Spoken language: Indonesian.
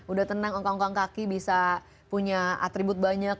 udah tenang ongkongkong kaki bisa punya atribut banyak